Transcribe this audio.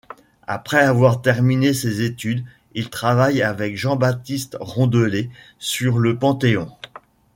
Après avoir terminé ses études il travaille avec Jean-Baptiste Rondelet sur le Panthéon.